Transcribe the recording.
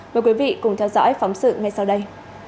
mời quý vị cùng theo dõi phóng sự ngay sau đây